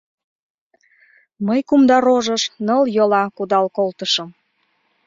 Мый кумда рожыш нылйола кудал колтышым.